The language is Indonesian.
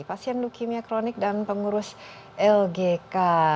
pasien leukemia kronik dan pengurus lgk